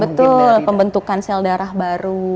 betul pembentukan sel darah baru